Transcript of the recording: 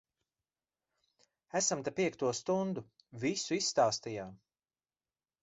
Esam te piekto stundu. Visu izstāstījām.